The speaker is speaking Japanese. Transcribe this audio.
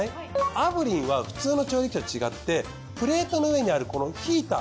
炙輪は普通の調理器と違ってプレートの上にあるこのヒーター。